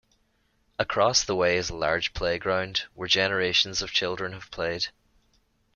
Across the way is a large playground, where generations of children have played.